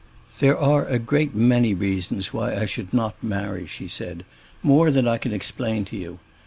"There are a great many reasons why I should not marry," she said, "more than I can explain to you.